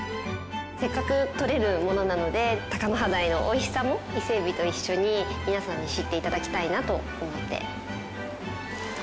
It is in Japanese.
せっかくとれるものなのでタカノハダイのおいしさも伊勢えびと一緒に皆さんに知って頂きたいなと思って。